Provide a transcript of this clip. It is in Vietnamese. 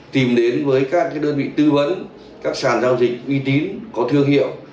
tìm đến với các đơn vị tư vấn các sản giao dịch uy tín có thương hiệu